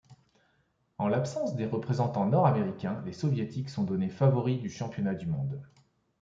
En l'absence des représentants nord-américains, les soviétiques sont donnés favoris du championnat du monde.